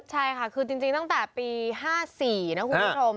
ใช่ค่ะคือจริงตั้งแต่ปี๕๔นะคุณผู้ชม